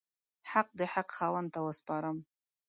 حق د حق خاوند ته وسپارم.